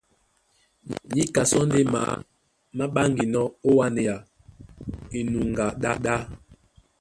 Níka sɔ́ ndé maá má ɓáŋginɔ́ ó wánea enuŋgá ɗá.